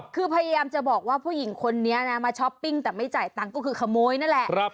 คือพยายามจะบอกว่าผู้หญิงคนนี้นะมาช้อปปิ้งแต่ไม่จ่ายตังค์ก็คือขโมยนั่นแหละ